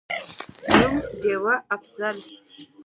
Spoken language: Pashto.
نوم: ډېوه«افضل»